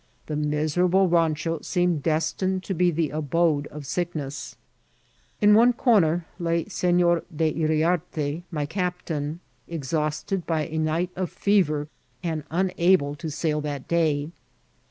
The miserable rancho seemed destii^d to be the abode of sickness. In one comer lay Senor D' Yriarte, my captain, exhausted by a night of fever, and unable to sail that day.